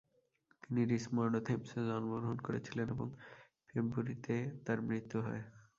তিনি রিচমন্ড-ও-থেমসে জন্মগ্রহণ করেছিলেন এবং পেম্বুরিতে তার মৃত্যু হয়।